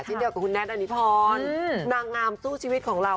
เดียวกับคุณแท็อนิพรนางงามสู้ชีวิตของเรา